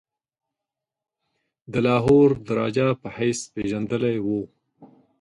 د لاهور د راجا په حیث پيژندلی وو.